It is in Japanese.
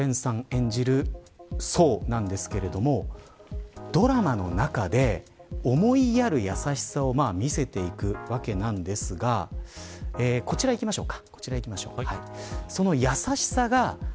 演じる想なんですけれどもドラマの中で思いやる優しさを見せていくわけですがこちらにいきましょう。